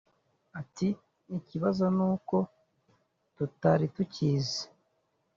Ati “Ikibazo ni uko tutari tukizi